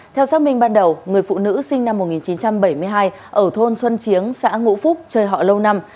theo xác minh ban đầu người phụ nữ sinh năm một nghìn chín trăm bảy mươi hai ở thôn xuân chiến xã ngũ phúc chơi họ lâu năm